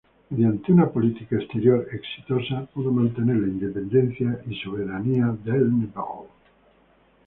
Mediante una política exterior exitosa pudo mantener la independencia y soberanía de Nepal.